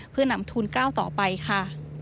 เพื่อนำทุนก้าวต่อไปค่ะ